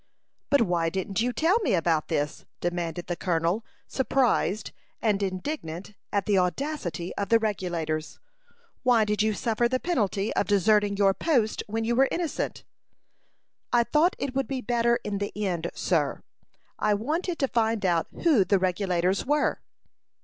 "But why didn't you tell me about this?" demanded the colonel, surprised and indignant at the audacity of the Regulators. "Why did you suffer the penalty of deserting your post, when you were innocent?" "I thought it would be better in the end, sir. I wanted to find out who the Regulators were."